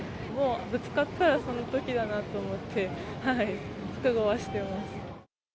ぶつかったら、そのときだなと思って、覚悟はしてます。